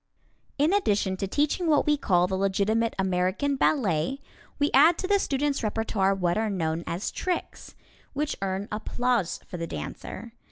In addition to teaching what we call the legitimate American Ballet, we add to the students' repertoire what are known as "tricks," which earn applause for the dancer.